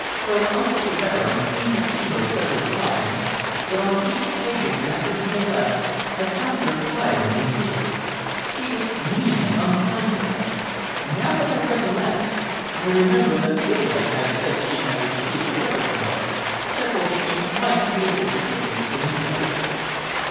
Her uncle, the Baron, came to see her several times, but on each occasion after he had left I found her crying in secret. He was mean and unkind to her. Now that I recollect, I remember that Lydia had said she had received a letter from her, therefore she might be able to give you some information."